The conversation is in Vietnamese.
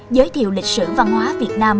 giới thiệu lịch sử văn hóa việt nam